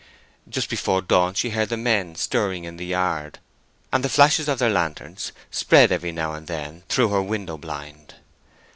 Just before dawn she heard the men stirring in the yard; and the flashes of their lanterns spread every now and then through her window blind.